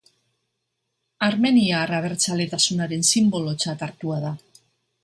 Armeniar abertzaletasunaren sinbolotzat hartua da.